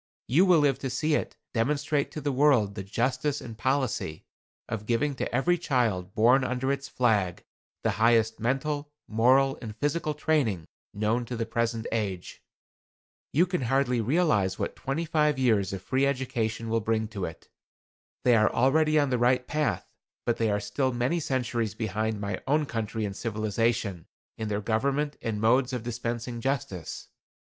You will live to see it demonstrate to the world the justice and policy of giving to every child born under its flag the highest mental, moral and physical training known to the present age. You can hardly realize what twenty five years of free education will bring to it. They are already on the right path, but they are still many centuries behind my own country in civilization, in their government and modes of dispensing justice.